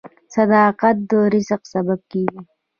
• صداقت د رزق سبب کیږي.